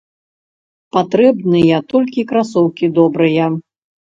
Патрэбныя толькі красоўкі добрыя.